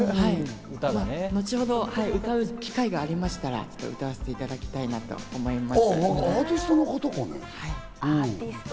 後ほど歌う機会がありましたら歌わせていただきたいなと思います。